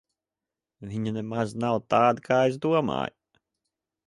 Viņa nemaz nav tāda, kā es domāju.